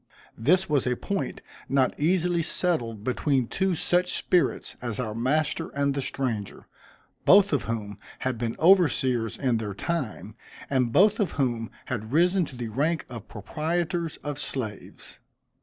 This was a point not easily settled between two such spirits as our master and the stranger; both of whom had been overseers in their time, and both of whom had risen to the rank of proprietors of slaves.